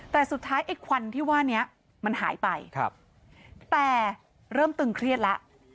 แต่สุดท้ายไอ้ควันที่ว่านี้มันหายไปแต่เริ่มตึงเครียดแล้ว